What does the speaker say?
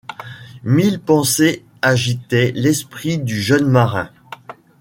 Mille pensées agitaient l’esprit du jeune marin.